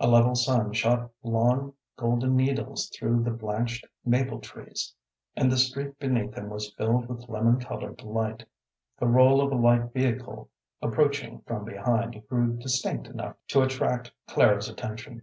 A level sun shot long golden needles through the blanched maple trees, and the street beneath them was filled with lemon colored light. The roll of a light vehicle approaching from behind grew distinct enough to attract Clara's attention.